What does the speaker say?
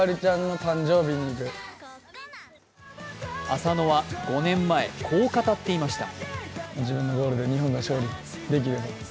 浅野は５年前、こう語っていました。